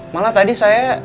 malah tadi saya